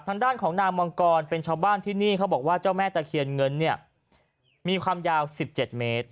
ทางด้านของนางมังกรเป็นชาวบ้านที่นี่เขาบอกว่าเจ้าแม่ตะเคียนเงินเนี่ยมีความยาว๑๗เมตร